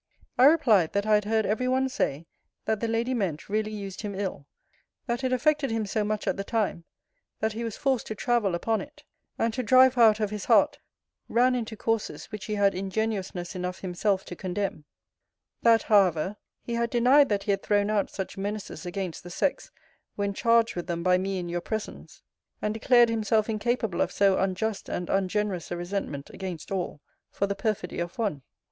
I replied, that I had heard every one say, that the lady meant really used him ill; that it affected him so much at the time, that he was forced to travel upon it; and to drive her out of his heart, ran into courses which he had ingenuousness enough himself to condemn: that, however, he had denied that he had thrown out such menaces against the sex when charged with them by me in your presence; and declared himself incapable of so unjust and ungenerous a resentment against all, for the perfidy of one.